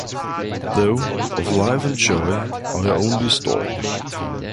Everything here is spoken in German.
Thou, of life and joy our only store!